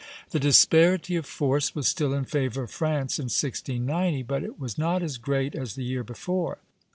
The disparity of force was still in favor of France in 1690, but it was not as great as the year before.